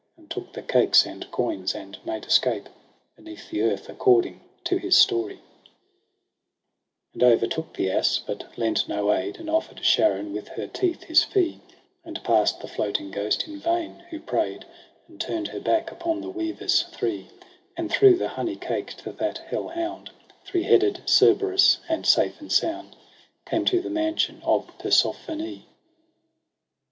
And took the cakes and coins, and made escape Beneath the earth, according to his story. JANUARY ao? ay And overtook the ass, but lent no aid j And offer'd Charon with her teeth his fee j And pass'd the floating ghost, in vain who pray'd j And turned her back upon the weavers three : And threw the honey cake to that hell hound Three headed Cerberus j and safe and sound. Came to the mansion of Persephone.